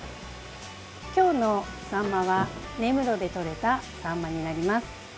今日のサンマは根室でとれたサンマになります。